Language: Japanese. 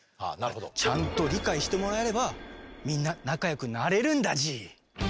ちゃんと理解してもらえればみんな仲よくなれるんだＧ。